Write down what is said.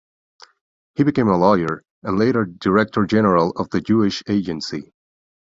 He became a lawyer, and later Director General of the Jewish Agency.